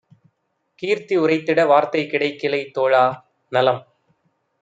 கீர்த்தி யுரைத்திட வார்த்தை கிடைக்கிலை தோழா - நலம்